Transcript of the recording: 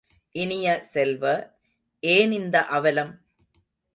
இனிய செல்வ, ஏன் இந்த அவலம்?